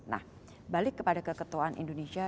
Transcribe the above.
nah balik kepada keketuaan indonesia